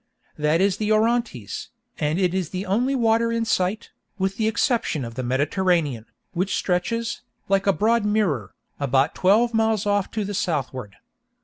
That is the Orontes, and it is the only water in sight, with the exception of the Mediterranean, which stretches, like a broad mirror, about twelve miles off to the southward.